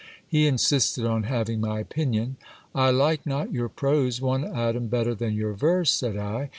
He insisted on having my opinion. I like not your prose one atom better than your verse, said I.